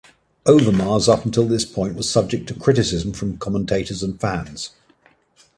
Overmars up until this point was subject to criticism from commentators and fans.